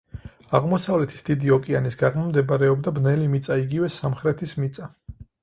აღმოსავლეთის დიდი ოკეანის გაღმა მდებარეობდა ბნელი მიწა, იგივე სამხრეთის მიწა.